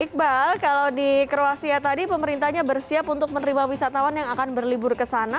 iqbal kalau di kroasia tadi pemerintahnya bersiap untuk menerima wisatawan yang akan berlibur ke sana